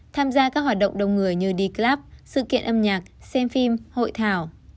tham gia các hoạt động đông người như d club sự kiện âm nhạc xem phim hội thảo